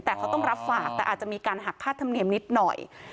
แต่เขาต้องรับฝากแต่อาจจะมีการหักค่าธรรมเนียมนิดหน่อย